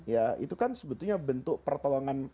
ya itu kan sebetulnya bentuk pertolongan